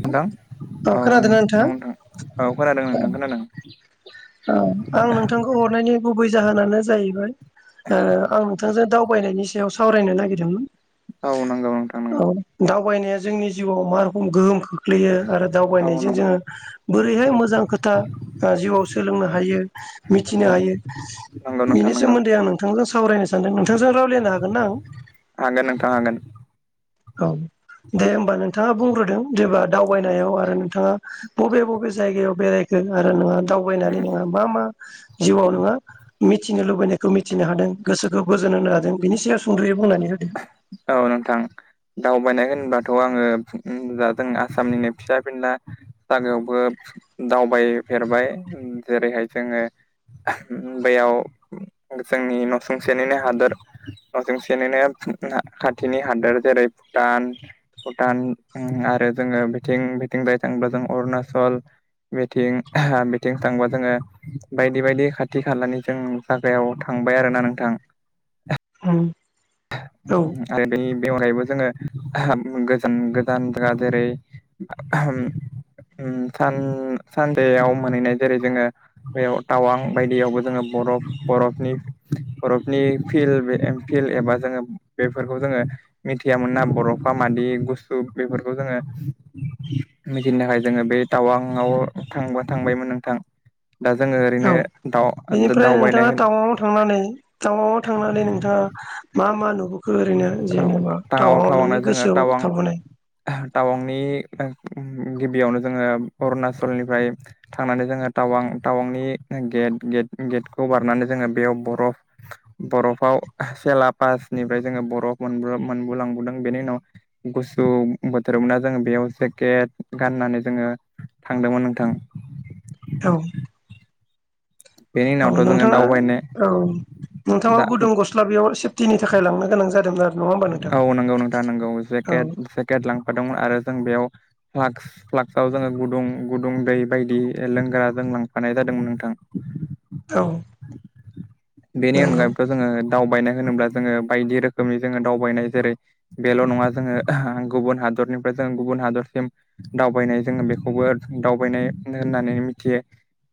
नोंथां अ औ नों खोनादोंना नोंथाङा? औ नोंथां औ खोनादों नोंथां खोनादों आं नोंथांखौ हरनायनि गुबै जाहोनानो जाहैबाय ओ आं नोंथांजों दाव दावयनायनि सायाव सावरायनो नागिरदोंमोन औ नगौ नोंथां औ नंगौ दावबायनाया जोंनि जिउआव माोखोम गोहोमो खोख्लैयो आरो औ दावबायनायजों नंगौ जोङो बोरैहाय मोजां खोथा ओ जिउआव स नो हायो मिथिनो नंगौ हायो नंगौ नोंथां बिनि नंगौ सोमोन्दै आं नोंथांजों सावरायनो सानदों नोंथांजों रायलायनो हागोन ना आं हागोन नोंथां हागोन औ दे होमबा नोंथाङा बुंग्रोदो जेनेबा दावबायनायाव आरो नोंथाङा बबे बबे जायगायाव बेरायखो आरो नोङा दावबायनानै नोंहा मा मा जिउआव नोङो मिथिनो लुबैनायखौ मिथिनो हादों गोसो खौ गोजोन होनो हादों बिनि सायाव सुंद'यै बुंनानै होदों औ नोंथां दावबायनाय होनोबाथ' आङो द जों आसामनिनो फिसा फिनला जागायावबो दावबायफेरबाय जेरैहाय जोङो उम बेयाव जोंनि न'सुंसेनिनि हादर न'सुंसेनिनो खाथिनि हादोर जेरै भुटान भुटान उम आरो जोङो बिथिं बिथिं बेहाय थाङोब्ला जों अरुणाचल बिथिं बिथिं थांबा जोङो बायदि बायदि खाथि खालानि जों जागायाव थां बाय आरोना नोंथां। उम औ आरो बेनि बेवहायबो जोङो गोजान गोजान द्रा जेरै उम सान-सानसेयाव मोनहैनाय जेरै जोङो बेयाव टावां बायदियावबो जोङो बरफ बरफनि बरफनि फिल्ड फिल्ड एबा जोङो बेफोरखौ जोङो मिथियामोनना बरफफ्रा मादि गुसु बेफोरखौ जोङो मिथिनो थाखाय जोङो बे टावांआव थांबा-थांबायमोन नोंथां। दा जोङो औ ओरैनो दा बेनिफ्राय नोंथाङा टावांवाव थांनानै टावांवाव थांनानै नोंथाङा मा मा नु ओ टावां नोंनि टाउनाव जोङो गोसोआव टावां थाबोनाय टावांनि ओ उम उम गिबियावनो जोङो अरुणाचलनिफ्राय थांनानै जोङो टावां टावांनि गेट गेट गेटखौ बारनानै जोङो बेयाव बरफ बरफाव सेला पासनिफ्राय जोङो बरफ मोनबो-मोनबोलांबोदों बेनि उनाव गुसु बोथोर मोनना जोंङो बेयाव जेकेट गाननानै जोङो थांदोंमोन नोंथां। औ बेनि औ उनावथ' जोङो नोंथाङा दावबायनाय औ नोंथाङा दा गुदुं गस्ला बेयाव सेफ थिनि थाखाय लांनो गोनां जादोंमोन आरो? नङा होमबा नोंथां औ नंगौ नोंथां नंगौ जेकेट औ जेकेट लांफादोंमोन आरो जों बेयाव फ्लाक्स फ्लाक्सआव जोङो गुदुं गुदुं दै बायदि ओ लोंग्रा जों लांफानाय जादोंमोन नोंथां। औ बेनि नंगौ अनगाबोथ' जोङो दावबायनो होनोब्ला जोङो बायदि रोखोमनि जोङो दावबायनाय जेरै बेल' नङा जोङो गुबुन हादरनिफ्राय जो गुबुन हादरसिम दावबायनाय जोङो बेखौबो दावबायनाय होननानै मिथियो।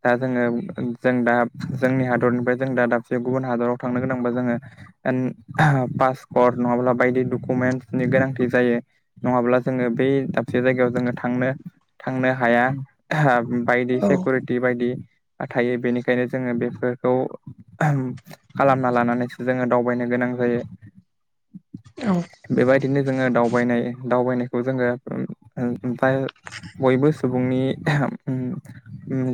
दा जोङो जों दा जोंनि हादरनिफ्राय जों दा दाबसेयाव गुबुन हादराव थांनो गोनांबा जोङो पास फर नङाब्ला बायदि डकुमेन्टसनि गोनांथि जायो नङाब्ला जोङो बै दाबसे जायगायाव जोङो थां नो थांनो हाया बायदि औ सेक'रिटि बायदि थायो बेनिखायनो जोङो बेफोरखौ खालामना लानानैसो जोङो दावबायनो गोनां जायो। औ बिदिनो जोङो दावबायनाय दावबायनायखौ जोङो उ उ दा बयबो सुबुंनि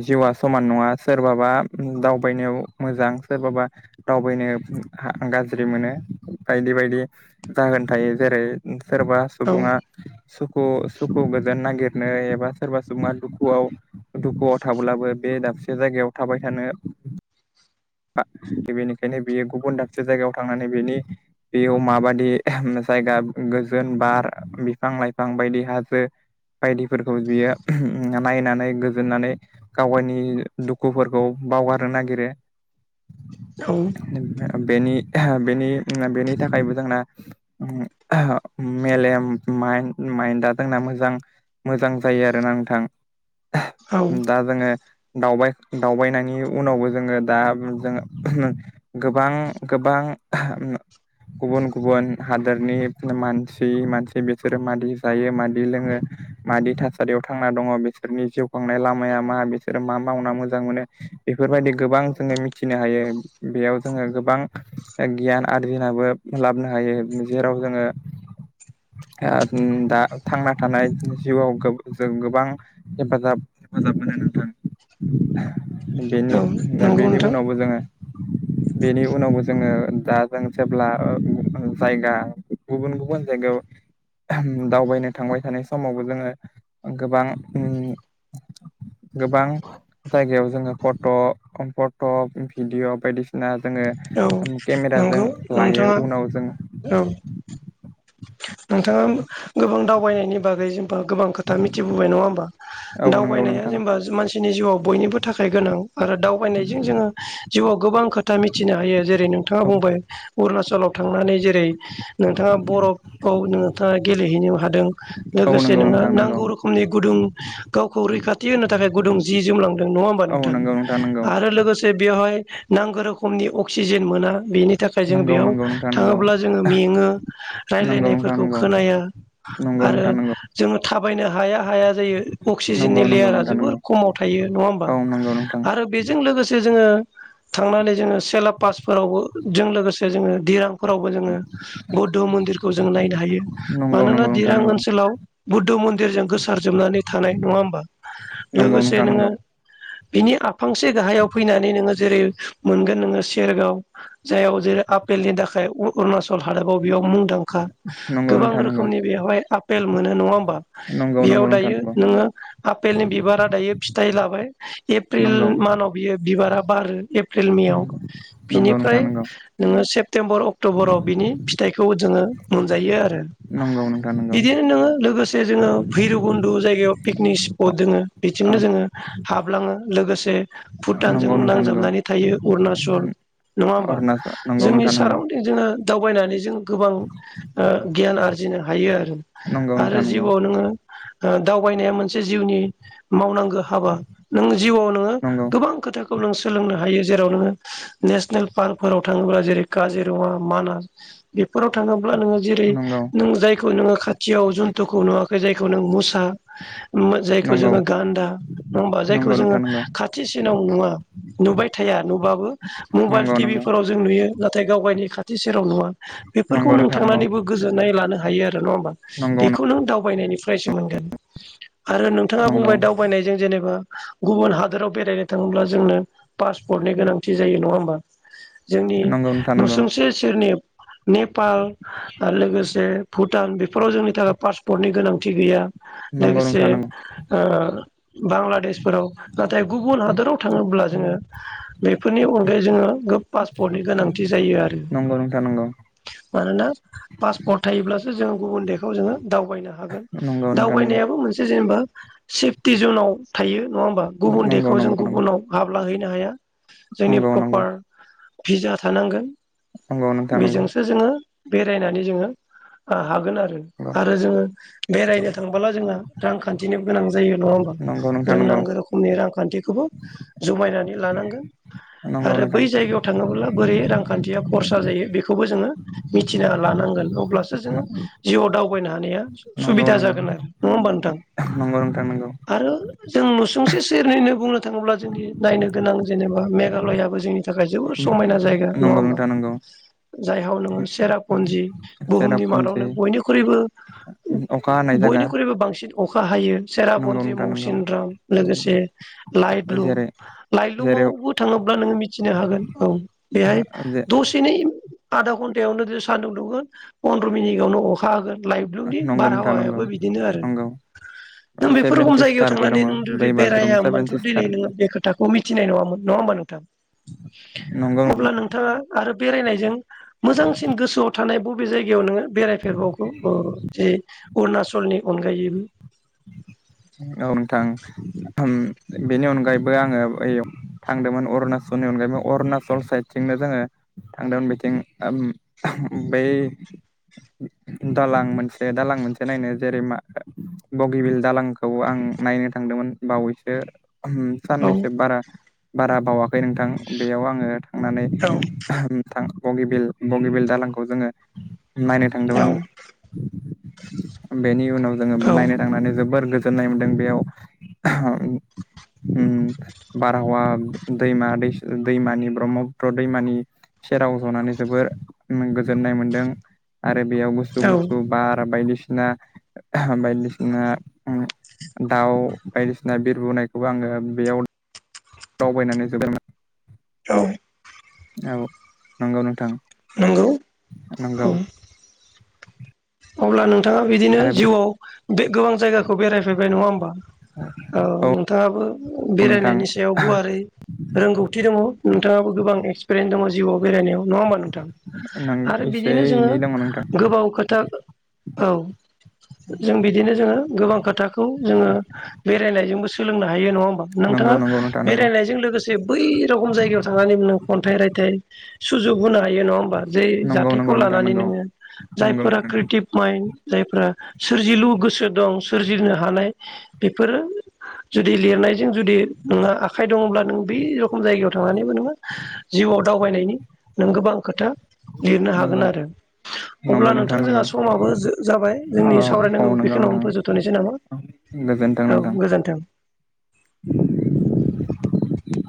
जिउआ समान नङा सोरबाबा उम दावबायनायाव मोजां सोरबा बा दावबायनो गाज्रि मोन। बायदि बायदि जाहोन थायो जेरै सोरबा औ सुबुङा सुख खु सुखु गोजोन नागिरनो एबा सोरबा सुबुङा दुखुआव दुखुआव थाब्लाबो बे दाब से जायगायाव थाबाय थानो बेनिखायनो बियो गुबुन दाबसे जायगायाव थांनानै बेनि बेयाव माबादि जायगा गोजोन बार बिफां लाइफां बायदि हाजो बायदिफोरखौ बियो नायनानै गोजोननानै गाव गावनि दुखुफोरखौ बावगारनो नागिरो बेनि बेनि उम बेनि थाखायबो जोंना मेलेम मान माइनडआ जोंना मोजां मोजां जायो आरो ना नोंथां औ दा जोङो दावबाय-दावबायनायनि उनावबो जोङो दा जोङो गोबां गोबां [inaudible] गुबुन गुबुन हादरनि मानसि मानसि बिसोरो मादि जायो मादि लोङो मादि थासारियाव थांना दङ बिसोरनि जिउ खांनाय लामाया मा बिसोरो मा मावना मोजां मोनो। बेफोरबायदि गोबां जोङो मिथिनो हायो बेयाव जोङो गोबां गियान आरो [unintelligible] लाबोनो हायो जेराव जोङो दा थांना थानाय जिउआव जों गोबां हेफाजाब हेफाजाब मोनो। नोंथां। औ बेनि नंगौ बेनि नोंथां उनावबो जोङो बेनि उनावबो जोङो दा जों जेब्ला जायगा गुबुन गुबुन जायगायाव दावबायनो थांबाय थानाय समावबो जोङो गोबां गोबां। जायगायाव जोङो फट' फट' भिडिअ बायदिसिना औ जोङो केमेराजों नंगौ लायो नोंथाङा उनाव जों औ नोंथाङा गोबां दावबायनायनि बागै जेनेबा गोबां खोथा मिथिबोबाय नङा होमबा। औ नंगौ दावबायनाया नोंथां जेनेबा मानसिनि जिउआव बयनिबो थाखाय गोनां आरो दावबायनायजों जोङो जिउआव गोबां खोथा मिथिनो हायो जेरै नोंथाङा औ बुंबाय अरुणाचलाव थांनानै जेरै नोंथाङा बरफ नोंथाङा गेलेहैनो हादों औ लोगोसे नंगौ नोङो नोंथां नंगौ नांगौ रोखोमनि गुदुं गावखौ रैखा [unintelligible] थाखाय गुदुं जि जोम लांदों नङा होमबा औ नोंथां नंगौ नंगौ आरो लोगोसे बेयाव बेहाय नांगौ रोखोमनि अक्सिजेन मोना बेनि थाखाय जोङो नंगौ बेयाव नंगौ नोंथां थाङोब्ला जोङो मेङो रायलायनाय फोरखौ नंगौ खोनाया नंगौ आरो नोंथां नंगौ जोङो थाबायनो हाया। हाया जायो अक्सिजेननि नंगौ नोंथां नंगौ लेयारा नोंथां जोबोर नंगौ खमाव थायो नङा होमबा औ नंगौ नोंथां आरो बेजों लोगोसे जोङो थांनानै जोङो सेला पासफोरावबो जों लोगोसे जोङो दिरां फोरावबो जोङो बुद्ध मन्दिरखौ जों नायनो हायो मानोना दिरां नंगौ ओनसोलाव बुद्ध मन्दिरजों गोसार जोबनानै थानाय नङा होमबा नंगौ लोगोसे नोंथां नोङो नंगौ बिनि आफांसे गाहायाव फैनानै नोङो जेरै मोनगोन नोङो सेरगाव जाययाव जेरै आपेलनि थाखाय अरुणाचल हादाबाव बेयाव मुंदांखा। नंगौ गोबां नोंथां नंगौ रोखोमनि बेवहाय आफेल मोनो नङा होम नंगौ नोंथां नंगौ बेयाव नोंथां दायो नंगौ नोङो आफेलनि बिबारा दायो फिथाइ लाबाय एप्रिल नंगौ मानाव बियो बिबारा बारो एप्रिल मेआव नंगौ नंगौ नोंथां बिनिफ्राय नंगौ नोङो सेप्तेम्बर अक्ट'बराव बिनि फिथाइखौ जोङो मोनजायो आरो। नंगौ नोंथां नंगौ बिदिनो नोङो लोगोसे जोङो भैरबकुन्न्द' जायगायाव पिकनिक स्पट दोङो अ बिथिंनो जोङो हाबलाङो लोगोसे ओ भुटानजों नंगौ नोंथां नंगौ नांजाबनानै थायो अरुणासल। नङा होमबा अरुणाचल नंगौ जोंनि नोंथां नंगौ साराउन्दिं जोङो दावबायनानै जों गोबां ओ गियान आरजिनो हायो आरो। नंगौ आरो नोंथां नंगौ जिउआव नोङो ओ दावबायनाया मो से जिउनि मावनांगौ हाबा नों जिउआव नोङो नंगौ गोबां खोथा खौ नों सोलोंनो हायो जेराव नोङो नेसनेल पार्कफोराव थाङोब्ला जेरै काजिरङा मानास बेफोराव थाङोब्ला नोङो जेरै नंगौ नों जायखौ नोङो खाथियाव जुन्थुखौ नुवाखै जाय खौ नों मोसा जायखौ नंगौ जोङो गान्दा नङा होमबा जायखौ नंगौ जोङो नोंथां नंगौ खाथिसिनाव नुवा नुबाय थाया नुबाबो मबाइल नंगौ नंगौ टिभिफोराव जों नुयो नाथाय गाव गावनि खाथि सेराव नुवा नंगौ बेफोरखौ नों थांनानैबो गोजोननाय लानो हायो आरो नङा होमबा बेखौ नों दावबायनायनि प्राइस मोनगोन आरो नोंथाङा बुंबाय दावबायनायजों जेने बा गुबुन हादोराव बेरायनो थाङोब्ला जोंनो पासपर्टनि गोनांथि जायो नङा होमबा। जोंनि नोंथां नंगौ नुसुंसे सेरनि नेपाल आरो लोगोसे भुटान बेफोराव जोंनि थाखाय पासपर्टनि गोनांथि गैया। नंगौ लोगोसे नोंथां नोंगौ। ओ बांलादेशफोराव नाथाय गुबुन हादराव थाङोब्ला जोङो बेफोर नि अनगायै जोङो पासपर्टनि गोनांथि जायो आरो। नंगौ नोंथां नंगौ मानोना पासपर्ट थायोब्लासो जोङो गुबुन देसखौ जोङो दावबायनो हागोन नंगौ नोंथां नंगौ दावबायनायाबो मोनसे जेनेबा सेफटि जोंनाव थायो। नङा होमबा गुबुन नंगौ देखआव जों गुबुनाव हाबला हैैनो हाया जोंनि प्रपार पिज्जा थानांगोन नंगौ नोंथां नंगौ बेजोंसो जोङो बेरायनानै जोङो हागोन आरो आरो जोङो बेरायनो थांबोला जोंहा रांखान्थिनो गोनां जायो नङा होमबा नंगौ नंगौ नोंथां नंगौ नोंथां जों नंगौ नांगौ रोखोमनि रांखान्थिखौबो जुमायनानै लानांगोन नंगौ आरो बै नोंथां जायगायाव थाङोब्ला बोरै' रांखान्थिया ख'रसा जायो बे जोङो मिथिना लानांगोन अब्लासो जोङो जिउआव दावबायनो हानाया नंगौ सुबिदा जागोन आरो नङा होमबा नोंथां? नंगौ नोंथां नांगौ। आरो जों नुसुंसे सेरनैनो बुंनो थाङोब्ला जोंनि नायनो गोनां जेनेबा मेघालयाबो जोंनि थाखाय जोबद समायना जायगा नङा नंगौ होमबा नोंथां नंगौ जायहा नोङो सेरापन्जि बुहुमनि सेरापुन्जि मादावनो बयनिख्रुइबो अखा हानाय जायगा बयनिख्रुइबो बांसिन अखा हायो नंगौ सेरापन्जि नोंथां नंगौ मौसिन राम लोगोसे लाइट लुम जेरै लाइट जेरै लुमावबो थाङोब्ला नोङो मिथिनो हागो औ बेहाय जे दसेनै आधा घन्टायावनो सान्दुं दुंगोन फन्द्र' मिनिटआवनो अ'खा होगोन लाइट लुमनि नंगौ नोंथां नंगौ बारहावायाबो बिदिनो आरो। नंगौ नों बेफोर सेभेन गुबुन जायगायाव सिस्टारबो दङ थांनानै नों जुदि दै बाज्रुम सेभेन बेरायामोनथ' सिस्टार दिनै नोङो बे खोथाखौ मिथिनाय नङामोन नङा होमबा। नोंथां नंगौ अब्ला नोंथाङा आरो बेरायनायजों मोजांसिन गोसोआव थानाय बबे जायगायाव नोङो बेरायफेरबावगो ओ जे अरुणचलनि अनगायैबो [inaudible] औ नोंथां बेनि अनगायैबो आङो ओइ थांदोंमोन अरुणचल नि अनगायैबो अरुणाचल साइदथिंनो जोङो थांदोंमोन बिथिं बै दालां मोनसे दालां मोनसे नायनो जेरै' मा बगिबिल दालांखौ आं नायनो थांदोंमोन बावैसो ओम औ साननैसो बारा बारा बावा फै नोंथां बेयाव आङो थांनानै औ थां बगबिल बगिबिल दालांखौ जोङो नायनो थांदोंमोन बेनि उनाव जोङो औ नायनो थांनानै जोबोर गोजोननाय मोनदों बेयाव ओम बारहावा दैमा दैस दै दैमानि ब्रह्मपुत्र दैमानि सेराव जनानै जोबोर गोजोननाय मोनदों आरो बेयाव गुसु औ गुसु बार बायदिसिना बायदिसिना डो दाउ बायदिसिना बिर बोनायखौबो आङो बेयाव दावबायनानै जोबायमोन औ औ नंगौ नोंथां। नोंगौ औ। नंगौ अब्ला नोंथाङा बिदिनो आरो जिउआव बे गोबां जायगाखौ बेरायफैबाय नङा होमबा औ नोंथाङाबो नोंथां बेरायनायनि सायाव गुवारै रोंगौथि दङ नोंथाङाबो गोबां एक्सपिरियेन्स दङ जिउआव बेरायनायाव नङा होमबा नोंथां नों आरो एसे बिदिनो जोङो एनै दङ नोंथां गोबाव खोथा औ जों बिदिनो जोङो गोबां खोथाखौ जोङो बेरायनायजों सोलोंनो हायो नङा होन‌ नंगौ नोंथाङा नंगौ नोंथां नंगौ बेरायनायजों लोगोसे बै रख'म जायगायाव थांनानै ख'न्थाइ रायथाइ सुजुग होनो हायो नङा होमबा जे नंगौ जाथायखौ नंगौ नोंथां लानानै नंगौ नोङो नंगौ नंगौ जायफोरा माइ जायफ्रा सोरजिलु गोसो दं सोरजिनो हानाय बेफोरो जुदि लिरनायजों जुदि नोंहा आखाइ दङब्ला नों ब रोखम जायगायाव थांनानैबो नोङो जो जिउआव दावबायनायनि नों गोबां खोथा लिरनो हागोन नंगौ आरो अब्ला नंगौ नों नोंथां जोंहा नंगौ समाबो जाबाय औ जोंनि सावरायनांगौ बेखिनिनो फ जोबथ'नोसै नामा? नोगोन्थों औ नोथां । गोजोन्थों। [inaudible]